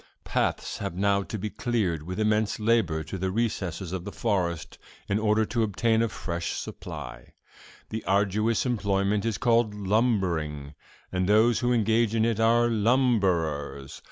Paths have now to be cleared with immense labor to the recesses of the forest, in order to obtain a fresh supply. This arduous employment is called "lumbering," and those who engage in it are "lumberers."